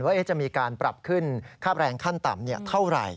ว่าจะมีการปรับขึ้นค่าแรงขั้นต่ำเท่าไหร่